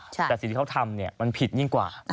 แต่สิ่งที่เขาทำมันผิดยิ่งกว่า